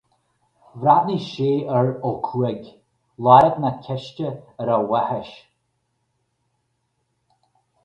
Bhreathnaigh sé ar Ó Cuaig, lorg na ceiste ar a bhaithis.